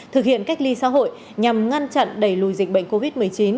thực hiện cách ly xã hội nhằm ngăn chặn đẩy lùi dịch bệnh covid một mươi chín